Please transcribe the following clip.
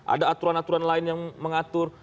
ada aturan aturan lain yang mengatur